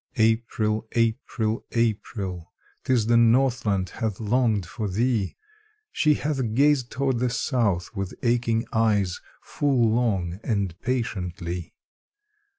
April! April! April! 'Tis the Northland hath longed for thee, She hath gazed toward the South with aching eyes Full long and patiently.